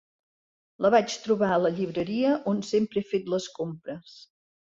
La vaig trobar a la llibreria on sempre he fet les compres.